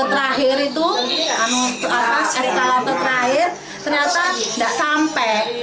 terakhir itu eskalator terakhir ternyata tidak sampai